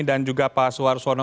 dan juga pak suarsono